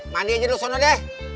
mandi aja lu sana deh